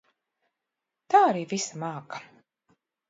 Tā arī visa māka.